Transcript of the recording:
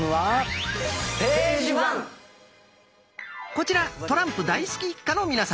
こちらトランプ大好き一家の皆さん。